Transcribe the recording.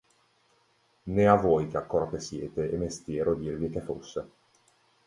Nè a voi che accorte siete è mestiero dirvi che fosse.